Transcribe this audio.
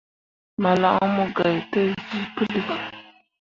Malan mu gai te zĩĩ puli.